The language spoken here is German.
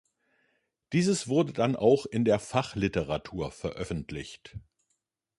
Dieses wurde dann auch in der Fachliteratur veröffentlicht.